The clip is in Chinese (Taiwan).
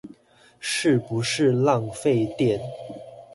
是不是浪費電